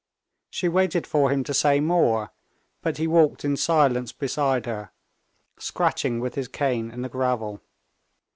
She waited for him to say more, but he walked in silence beside her, scratching with his cane in the gravel.